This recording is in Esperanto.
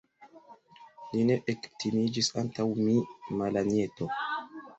Li ne ektimiĝis antaŭ mi, Malanjeto.